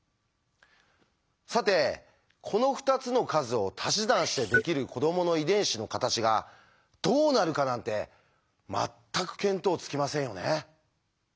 さてこの２つの数をたし算してできる子どもの遺伝子の形がどうなるかなんて全く見当つきませんよね。